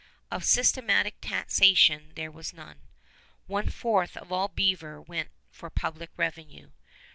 Of systematic taxation there was none. One fourth of all beaver went for public revenue.